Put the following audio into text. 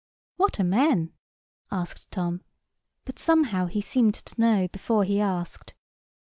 "What are men?" asked Tom; but somehow he seemed to know before he asked.